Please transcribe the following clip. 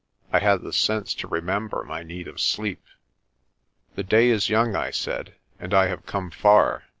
I had the sense to remember my need of sleep. "The day is young," I said, "and I have come far.